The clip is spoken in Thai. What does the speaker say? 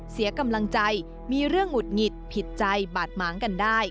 เสียกำลังใจมีเรื่องหงุดหงิดผิดใจบาดหมางกันได้